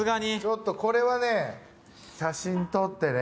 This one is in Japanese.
ちょっとこれはね写真撮ってね